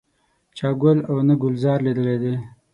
چا ګل او نه ګلزار لیدلی دی.